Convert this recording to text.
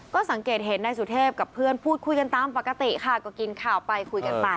ก็สังเกตเห็นนายสุเทพกับเพื่อนพูดคุยกันตามปกติค่ะก็กินข่าวไปคุยกันไป